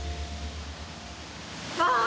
ああ！